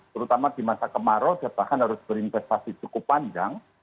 terutama di masa kemarau dia bahkan harus berinvestasi cukup panjang